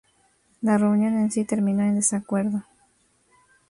La reunión en sí terminó en desacuerdo.